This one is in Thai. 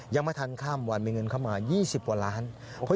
ยังไม่ทันข้ามหว่างมีเงินเข้ามา๒๐หลานบาท